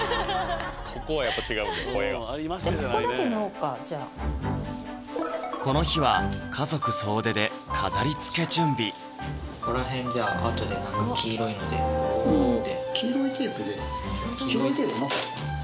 ここはやっぱ違うんだ声がここだけ縫おうかじゃあこの日は家族総出で飾りつけ準備ここら辺じゃあ後で何か黄色いので貼って黄色いテープで黄色いテープなかった？